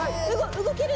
動ける？